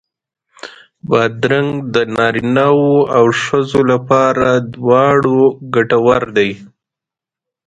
بادرنګ د نارینو او ښځو لپاره دواړو ګټور دی.